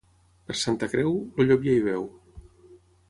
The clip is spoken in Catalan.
Per Santa Creu, el llop ja hi veu.